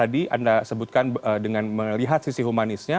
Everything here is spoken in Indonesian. dengan melihat sisi humanisnya